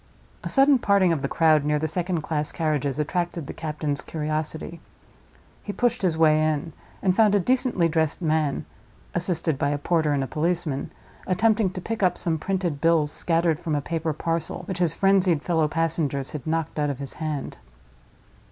A sudden parting of the crowd, near the second class carriages, attracted the captain's curiosity. He pushed his way in; and found a decently dressed man—assisted by a porter and a policeman—attempting to pick up some printed bills scattered from a paper parcel, which his frenzied fellow passengers had knocked out of his hand.